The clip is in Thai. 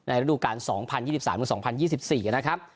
ในระดูกการ๒๐๒๓๒๐๒๔นะครับ